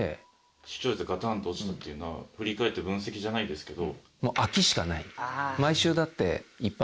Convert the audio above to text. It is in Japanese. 視聴率がガタンと落ちたっていうのは振り返って分析じゃないですけど。